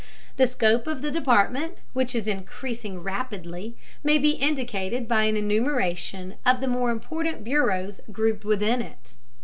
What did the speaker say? The scope of the Department, which is increasing rapidly, may be indicated by an enumeration of the more important bureaus grouped within it.